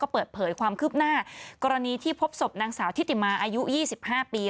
เปิดเผยความคืบหน้ากรณีที่พบศพนางสาวทิติมาอายุ๒๕ปี